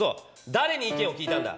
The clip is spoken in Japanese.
だれに意見を聞いたんだ？